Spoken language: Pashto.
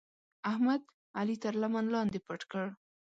احمد؛ علي تر لمن لاندې پټ کړ.